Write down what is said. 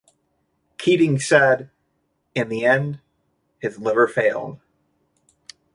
Keating said, In the end, his liver failed.